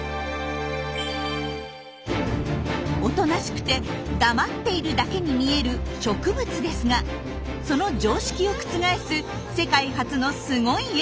おとなしくて黙っているだけに見える植物ですがその常識を覆す世界初のすごい映像が撮れちゃいました！